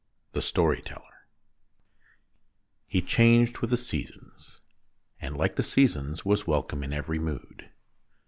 THE STORY TELLER HE changed with the seasons, and, like the seasons, was welcome in every mood.